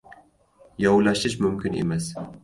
yovlashish mumkin emas.